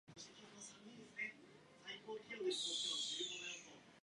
He replaced Karl Saar.